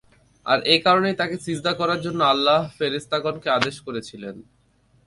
আর এ কারণেই তাকে সিজদা করার জন্য আল্লাহ্ ফেরেশতাগণকে আদেশ করেছিলেন।